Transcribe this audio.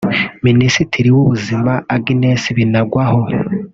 Minisitiri w’ubuzima Agnes Binagwaho